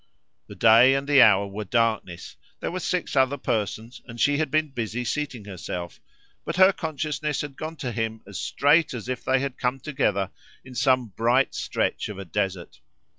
The day and the hour were darkness, there were six other persons and she had been busy seating herself; but her consciousness had gone to him as straight as if they had come together in some bright stretch of a desert.